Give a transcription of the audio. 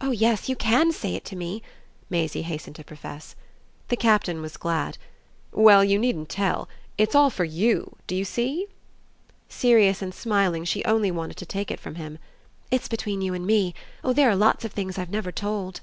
"Oh yes you can SAY it to me!" Maisie hastened to profess. The Captain was glad. "Well, you needn't tell. It's all for YOU do you see?" Serious and smiling she only wanted to take it from him. "It's between you and me! Oh there are lots of things I've never told!"